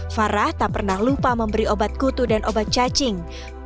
farah tak pernah lupa memberi obat kutu dan obat cacing